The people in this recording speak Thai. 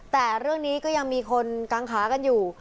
แต่เรื่องนี้ก็ยังมีคนกังขากันอยู่